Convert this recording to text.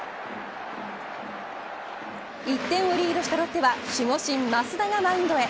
１点をリードしたロッテは守護神、益田がマウンドへ。